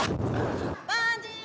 バンジー！